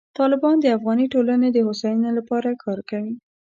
طالبان د افغاني ټولنې د هوساینې لپاره کار کوي.